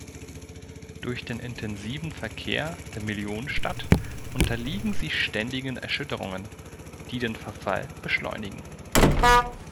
Durch den intensiven Verkehr der Millionenstadt unterliegen sie ständigen Erschütterungen, die den Verfall beschleunigen.